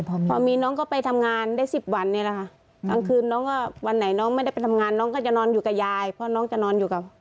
พอมีน้องก็ไปทำงานได้๑๐วันเนี่ยแหละค่ะ